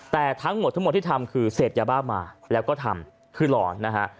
แต่ทั้งหมดทั้งหมดที่ทำคือเสพยาบ้ามาแล้วก็ทำคือหลอนนะฮะ